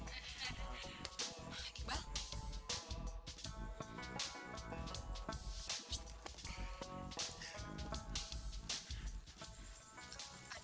ada apa semin